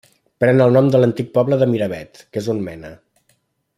Pren el nom de l'antic poble de Miravet, que és on mena.